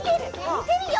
みてるよ！